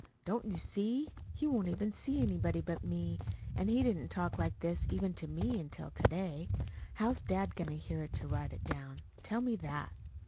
Don't you see? He won't even see anybody but me, and he didn't talk like this even to me until to day. How's dad going to hear it to write it down? Tell me that?"